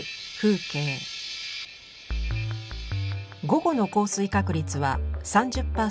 午後の降水確率は３０％。